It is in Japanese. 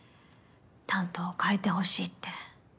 担当替えてほしいって。